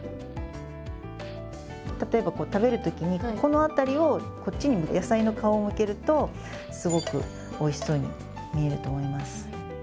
例えば食べるときにここの辺りをこっちに野菜の顔を向けるとすごくおいしそうに見えると思います。